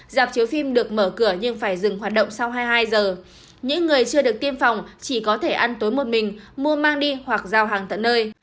dạp chiếu phim được mở cửa nhưng phải dừng hoạt động sau hai mươi hai giờ những người chưa được tiêm phòng chỉ có thể ăn tối một mình mua mang đi hoặc giao hàng tận nơi